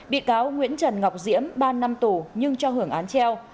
bị cáo nguyễn trần ngọc diễm ba năm tù nhưng cho hưởng án treo